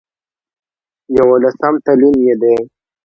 يوولسم تلين يې دی